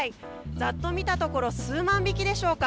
ざっと見たところ数万匹でしょうか。